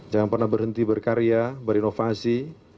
jangan pernah berhenti berkarya berinovasi